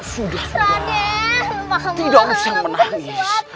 sudah tidak usah menangis